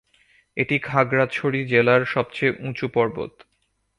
এটি খাগড়াছড়ি জেলার সবচেয়ে উঁচু পর্বত।